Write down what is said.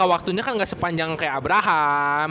jangka waktunya kan ga sepanjang kayak abraham